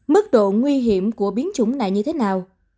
mức độ nguy hiểm của biến chủng này như thế nào